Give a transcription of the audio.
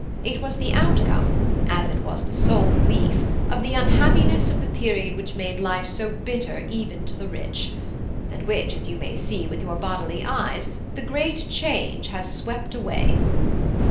It was the outcome, as it was the sole relief, of the unhappiness of the period which made life so bitter even to the rich, and which, as you may see with your bodily eyes, the great change has swept away.